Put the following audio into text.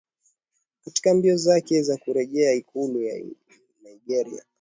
katika mbio zake za kurejea ikulu ya nigeria